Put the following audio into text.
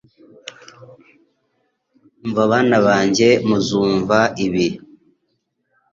"Umva bana banjye, muzumva" ibi